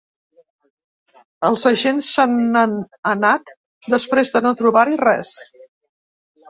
Els agents se n’han anat després de no trobar-hi res.